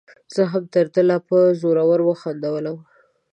زه هم تر ده لا په زوره وخندلم.